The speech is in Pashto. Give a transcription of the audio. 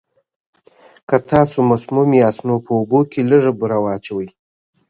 که تاسو مسموم یاست، نو په اوبو کې لږه بوره واچوئ.